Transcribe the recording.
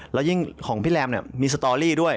แล้วยิ่งของพี่แรมมีสตอรี่ด้วย